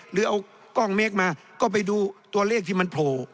หรือเอากล้องเมคมาก็ไปดูตัวเลขที่มันโผล่